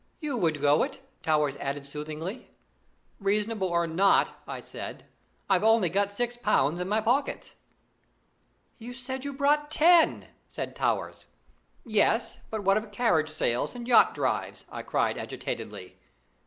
"You would go it!" Towers added soothingly. "Reasonable or not," I said, "I've only got six pounds in my pockets." "You said you brought ten," said Towers. "Yes! but what of carriage sails and yacht drives?" I cried agitatedly.